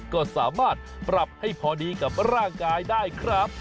ก็สามารถปรับให้พอดีกับร่างกายได้ครับ